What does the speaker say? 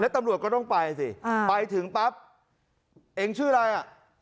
ตำรวจก็ต้องไปสิไปถึงปั๊บเองชื่ออะไรอ่ะ